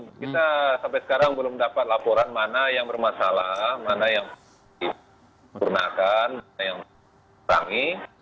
kita sampai sekarang belum dapat laporan mana yang bermasalah mana yang dipergunakan mana yang kurangi